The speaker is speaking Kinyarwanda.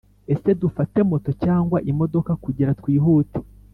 Ese dufate moto cyangwa imodoka kugira twihute